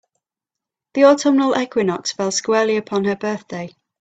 The autumnal equinox fell squarely upon her birthday.